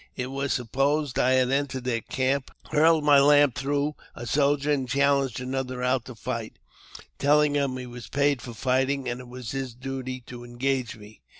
It was supposed I had entered their camp, hurled my lance through a soldier, challenged another out to fight, telling him he was paid for fighting, and it was his duty to engage me.